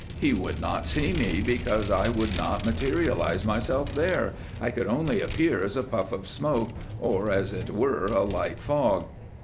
'He would not see me because I would not materialise myself there, I could only appear as a puff of smoke, or, as it were, a light fog.